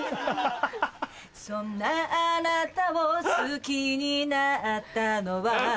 そんなあなたを好きになったのは